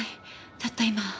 たった今。